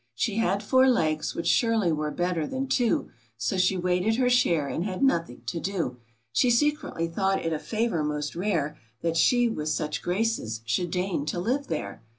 She had four legs, which surely were better than two — So she waited her share, and had nothing to do. She secretly thought it a favor most rare, That she with such graces should deign to live there